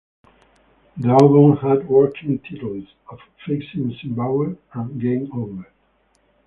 The album had working titles of "Faxing Zimbabwe" and "Game Over".